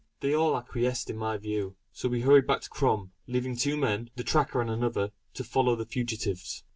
They all acquiesced in my view; so we hurried back to Crom, leaving two men, the tracker and another, to follow the fugitives.